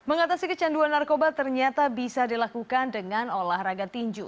mengatasi kecanduan narkoba ternyata bisa dilakukan dengan olahraga tinju